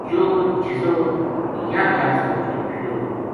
یوہ جِسو یاہ گل سوچ کے اُٹھیو